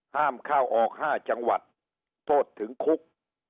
ห้ามเข้าออก๕จังหวัดโทษถึงคุก